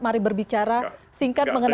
mari berbicara singkat mengenai